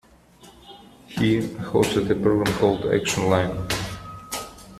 He hosted a program called Action Line.